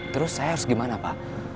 terus saya harus gimana pak